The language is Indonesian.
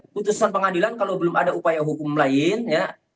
putusan pengadilan kalau belum ada upaya hukum lain ya